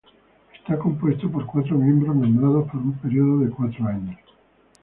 Está compuesto por cuatro miembros nombrados por un periodo de cuatro años.